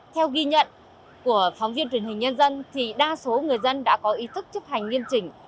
theo ghi nhận của phóng viên truyền hình nhân dân thì đa số người dân đã có ý thức chấp hành nghiêm chỉnh